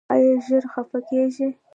ایا ژر خفه کیږئ؟